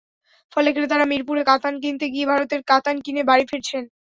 ফলে ক্রেতারা মিরপুরের কাতান কিনতে গিয়ে ভারতের কাতান কিনে বাড়ি ফিরছেন।